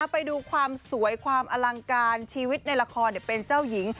ไปดูความสวยความอลังการชีวิตในละครเป็นเจ้าหญิง